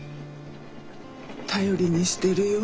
頼りにしてるよ。